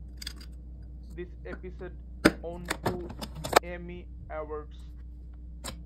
This episode won two Emmy Awards.